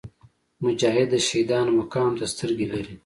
مجاهد د شهیدانو مقام ته سترګې لري.